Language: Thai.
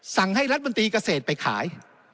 สั่งให้รัฐมนตรีเกษตรไปขาย